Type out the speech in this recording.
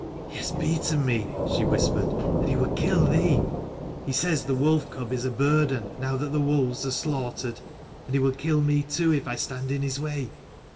"He has beaten me," she whispered: "and he will kill thee. He says the wolf cub is a burden, now the wolves are slaughtered. And he will kill me too, if I stand in his way.